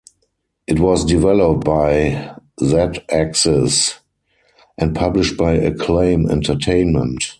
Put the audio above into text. It was developed by Z-Axis and published by Acclaim entertainment.